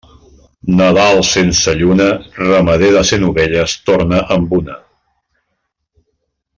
Nadal sense lluna, ramader de cent ovelles torna amb una.